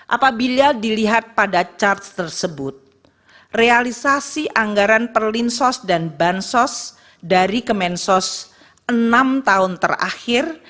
apabila dilihat pada charge tersebut realisasi anggaran perlinsos dan bansos dari kemensos enam tahun terakhir